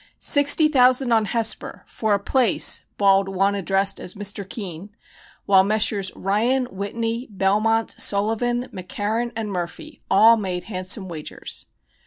"Sixty thousand on Hesper for a place!" bawled one addressed as "Mr. Keene," while Messrs. "Ryan," "Whitney," "Belmont," "Sullivan," "McCarren," and "Murphy" all made handsome wagers.